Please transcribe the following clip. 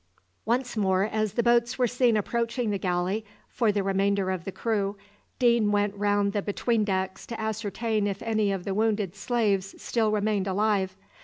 Once more, as the boats were seen approaching the galley for the remainder of the crew, Deane went round the between decks to ascertain if any of the wounded slaves still remained alive.